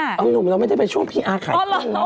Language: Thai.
อ้าวหนูเราไม่ได้เป็นช่วงพี่อาข่ายต้นนะ